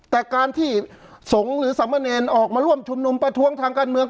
แต่การที่สงฆ์หรือสามเณรออกมาร่วมชุมนุมประท้วงทางการเมือง